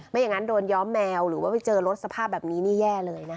อย่างนั้นโดนย้อมแมวหรือว่าไปเจอรถสภาพแบบนี้นี่แย่เลยนะคะ